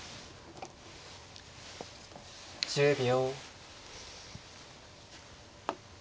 １０秒。